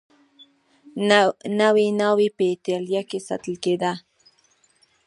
نوې ناوې په اېټالیا کې ساتل کېده.